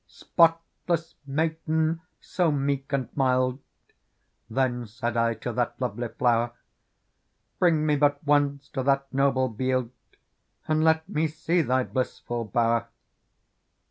" Spotless maiden so meek and mild," Then said I to that lovely Flower, *' Bring me but once to that noble bield. And let me see thy blissful bower."